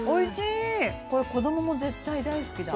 子供も絶対大好きだ。